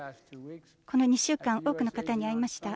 この２週間、多くの方に会いました。